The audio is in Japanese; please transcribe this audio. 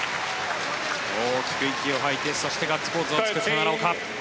大きく息を吐いて、そしてガッツポーズを作った奈良岡。